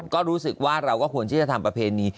ก็รู้สึกว่าเราก็ควรที่จะทำประเพณี